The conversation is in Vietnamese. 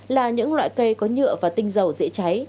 là những loại cây có nhựa và tinh dầu dễ cháy